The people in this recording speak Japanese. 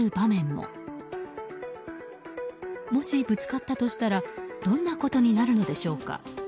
もしぶつかったとしたらどんなことになるのでしょうか。